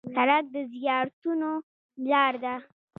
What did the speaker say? سړک د زیارتونو لار ده.